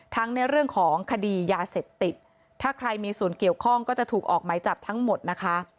ในเรื่องของคดียาเสพติดถ้าใครมีส่วนเกี่ยวข้องก็จะถูกออกไหมจับทั้งหมดนะคะ